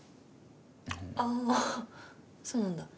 あぁそうなんだ。